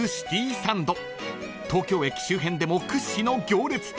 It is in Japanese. ［東京駅周辺でも屈指の行列店］